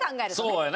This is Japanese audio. そうやね。